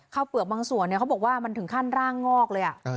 ข้าวเปลือกบางส่วนเนี่ยเขาบอกว่ามันถึงขั้นร่างงอกเลยอะ